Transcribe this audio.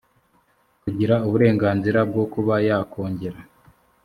kugira uburenganzira bwo kuba yakongera